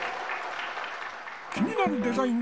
気になるデザイン